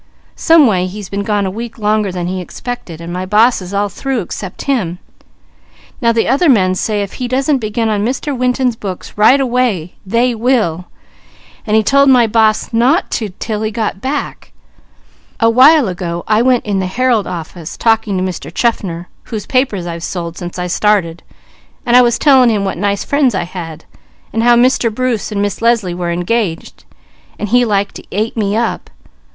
Someway he's been gone a week longer than he expected; and my boss is all through except him, and now the other men say if he doesn't begin on Mr. Winton's books right away, they will, and he told my boss not to 'til he got back. A while ago I was in the Herald office talking to Mr. Chaffner, whose papers I've sold since I started and I was telling him what nice friends I had, and how Mr. Bruce and Miss Leslie were engaged, and he like to ate me up.